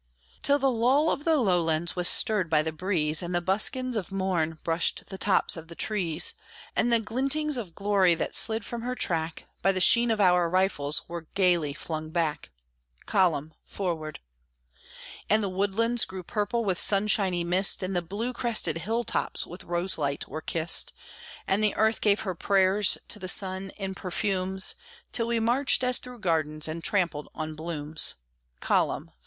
Till the lull of the lowlands was stirred by the breeze, And the buskins of morn brushed the tops of the trees, And the glintings of glory that slid from her track By the sheen of our rifles were gayly flung back "Column! Forward!" And the woodlands grew purple with sunshiny mist, And the blue crested hill tops with roselight were kissed, And the earth gave her prayers to the sun in perfumes, Till we marched as through gardens, and trampled on blooms "Column!